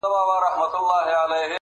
حیوانان یې پلټل په سمه غره کي.!